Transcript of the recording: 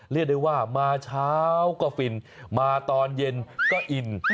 เรียกได้ว่ามาเช้าก็ฟินมาตอนเย็นก็อิน